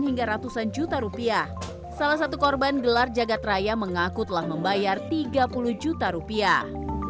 hingga ratusan juta rupiah salah satu korban gelar jagad raya mengaku telah membayar tiga puluh juta rupiah